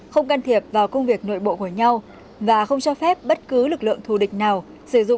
không can thiệp vào công việc nội bộ của nhau và không cho phép bất cứ lực lượng thù địch nào sử dụng